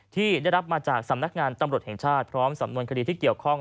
ที่ได้รับมาจากสำนักงานตำรวจแห่งชาติพร้อมสำนวนคดีที่เกี่ยวข้อง